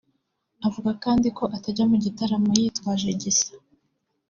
Avuga kandi ko atajya mu gitaramo yitwaje Gisa